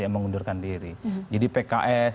yang mengundurkan diri jadi pks